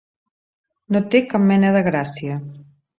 No té cap mena de gràcia.